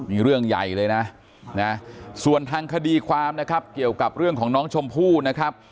มีเรื่องใหญ่เลยนะส่วนทางคดีความนะครับเกี่ยวกับเรื่องของน้องชมพู่นะครับ